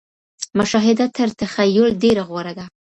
مشاهده تر تخيل ډېره غوره ده.